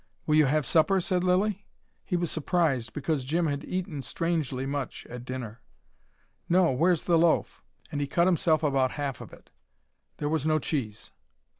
"Will you have supper?" said Lilly. He was surprised, because Jim had eaten strangely much at dinner. "No where's the loaf?" And he cut himself about half of it. There was no cheese.